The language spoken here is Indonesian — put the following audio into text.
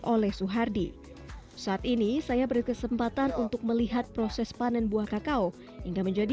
oleh suhardi saat ini saya berkesempatan untuk melihat proses panen buah kakao hingga menjadi